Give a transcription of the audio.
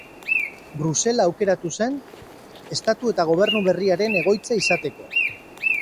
Brusela aukeratu zen estatu eta gobernu berriaren egoitza izateko.